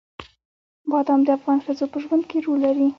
بادام د افغان ښځو په ژوند کې رول لري.